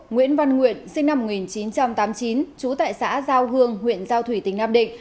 nguyễn văn nguyện sinh năm một nghìn chín trăm tám mươi chín trú tại xã giao hương huyện giao thủy tỉnh nam định